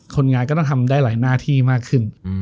คนงานก็ต้องทำได้หลายหน้าที่มากขึ้น